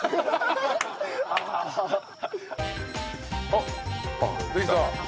あっできた。